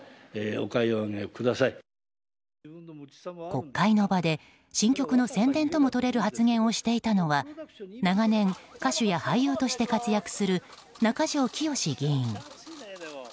国会の場で新曲の宣伝ともとれる発言をしていたのは長年、歌手や俳優として活躍する中条きよし議員。